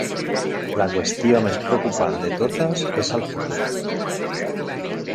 La qüestió més preocupant de totes és el futur.